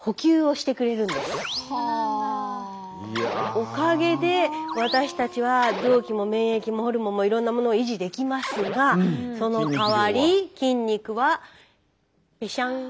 おかげで私たちは臓器も免疫もホルモンもいろんなものを維持できますがそのかわり筋肉はぺしゃん。